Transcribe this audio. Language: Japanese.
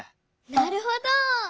なるほど！